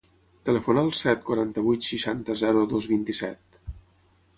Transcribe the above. Telefona al set, quaranta-vuit, seixanta, zero, dos, vint-i-set.